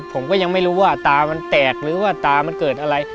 ผมก็ยังไม่รู้ว่าตามันแตกหรือว่าตามันเกิดอะไร